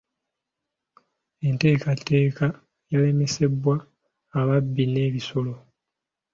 Enteekateeka yalemesebwa ababbi n'ebisolo.